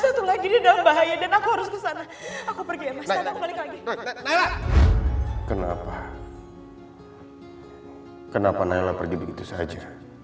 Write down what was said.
satu lagi dalam bahaya dan aku harus kesana aku pergi lagi kenapa kenapa nailah pergi begitu saja